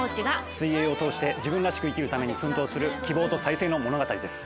水泳を通して自分らしく生きるために奮闘する希望と再生の物語です。